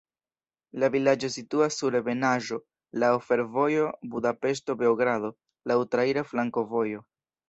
La vilaĝo situas sur ebenaĵo, laŭ fervojo Budapeŝto–Beogrado, laŭ traira flankovojo.